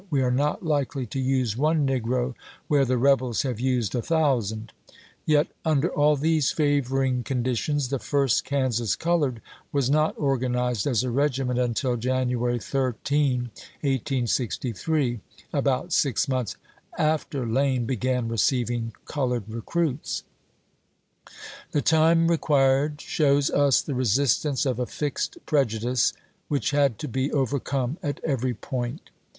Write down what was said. i862.^*w^'r. We are not likely to use one negro where the rebels ^ p! fss^'' have used a thousand." Yet under all these f avor "A^r^my Life iug couditlous the " First Kansas Colored " was not Regiment," Organized as a regiment until January 13, 1863, about six months after Lane began receiving col ored recruits. The time required shows us the resistance of a fixed prejudice which had to be overcome at every point.